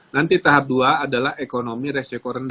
nanti tahap dua adalah ekonomi resiko rendah